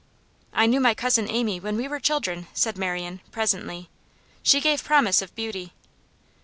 'I knew my cousin Amy when we were children,' said Marian, presently. 'She gave promise of beauty.